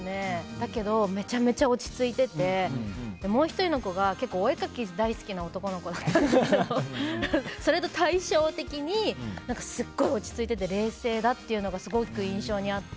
だけどめちゃめちゃ落ち着いててもう１人の子が結構、お絵描きが大好きな男の子だったんですけどそれと対照的にすごい落ち着いてて冷静なのがすごく印象にあって。